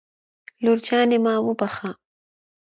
لور جانې ما وبښه